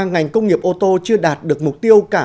ngành công nghiệp ô tô chưa đạt được mục tiêu cả